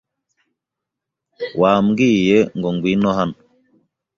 Wambwiye ngo ngwino hano.